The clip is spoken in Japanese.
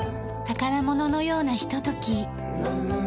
宝物のようなひととき。